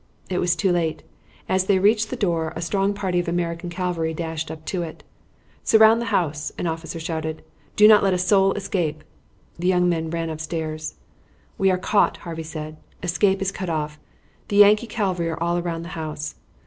It was too late. As they reached the door a strong party of American cavalry dashed up to it. "Surround the house!" an officer shouted. "Do not let a soul escape!" The young men ran upstairs again. "We are caught," Harvey said. "Escape is cut off. The Yankee cavalry are all round the house.